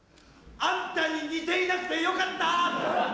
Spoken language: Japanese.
あんたに似ていなくてよかった。